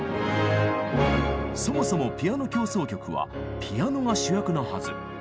そもそもピアノ協奏曲はピアノが主役なはず。